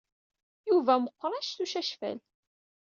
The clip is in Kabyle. Yuba meɣɣer anect n ucacfal.